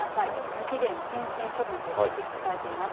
無期限謹慎処分と大きく伝えています。